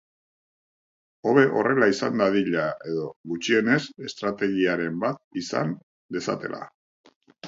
Hobe horrela izan dadila edo, gutxienez, estrategiaren bat izan dezatela.